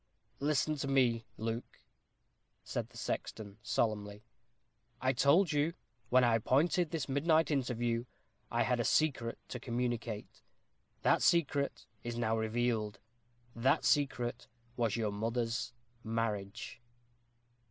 "Listen to me, Luke," said the sexton, solemnly. "I told you, when I appointed this midnight interview, I had a secret to communicate. That secret is now revealed that secret was your mother's marriage."